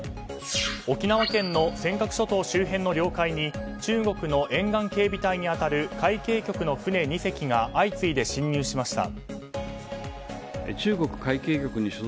沖縄県の尖閣諸島周辺の領海に中国の沿岸警備隊に当たる海警局の船２隻が相次いで侵入しました。